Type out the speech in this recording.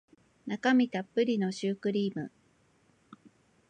中身たっぷりのシュークリーム